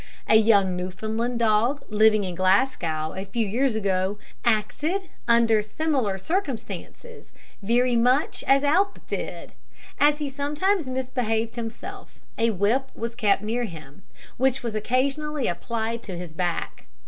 A young Newfoundland dog, living in Glasgow a few years ago, acted, under similar circumstances, very much as Alp did. As he sometimes misbehaved himself, a whip was kept near him, which was occasionally applied to his back.